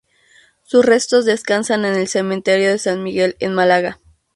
Sus restos descansan en el Cementerio de San Miguel en Málaga.